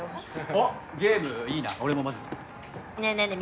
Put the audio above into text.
おっゲームいいな俺も混ぜてねぇねぇねぇ